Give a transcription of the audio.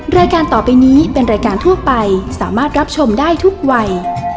รายการต่อไปนี้เป็นรายการทั่วไปสามารถรับชมได้ทุกวัย